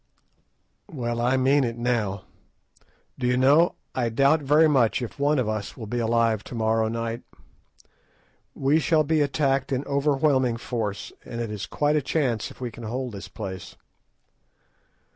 "Well, I mean it now. Do you know, I very much doubt if one of us will be alive to morrow night. We shall be attacked in overwhelming force, and it is quite a chance if we can hold this place."